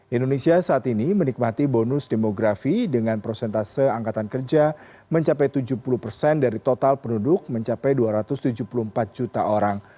indonesia saat ini menikmati bonus demografi dengan prosentase angkatan kerja mencapai tujuh puluh persen dari total penduduk mencapai dua ratus tujuh puluh empat juta orang